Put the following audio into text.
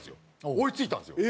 追いついたんですよ。